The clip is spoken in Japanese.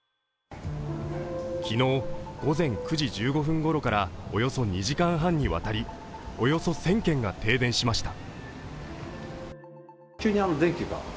昨日、午前９時１５分ごろからおよそ２時間半にわたりおよそ１０００軒が停電しました。